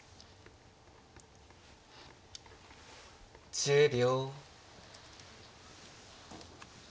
１０秒。